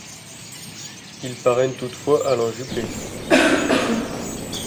Il parraine toutefois Alain Juppé.